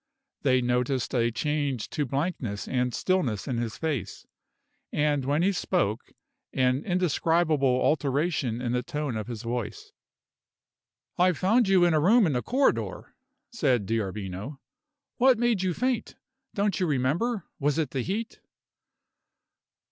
They noticed a change to blankness and stillness in his face, and when he spoke, an indescribable alteration in the tone of his voice. "I found you in a room in the corridor," said D'Arbino. "What made you faint? Don't you remember? Was it the heat?"